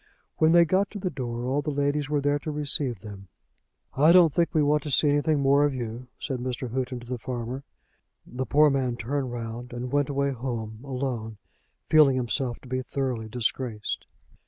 When they got to the door all the ladies were there to receive them. "I don't think we want to see anything more of you," said Mr. Houghton to the farmer. The poor man turned round and went away home, alone, feeling himself to be thoroughly disgraced.